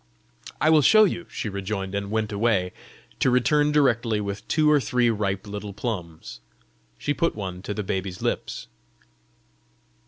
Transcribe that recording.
"I will show you," she rejoined, and went away to return directly with two or three ripe little plums. She put one to the baby's lips.